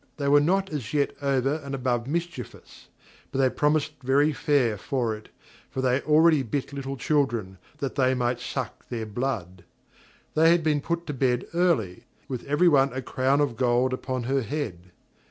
They were not as yet over and above mischievous; but they promised very fair for it, for they already bit little children, that they might suck their blood. They had been put to bed early, with every one a crown of gold upon her head.